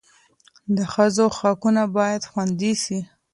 د ښځو حقونه باید خوندي سي.